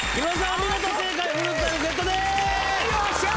お見事正解フルーツ大福ゲットですよっしゃ！